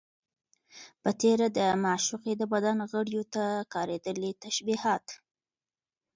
په تېره، د معشوقې د بدن غړيو ته کارېدلي تشبيهات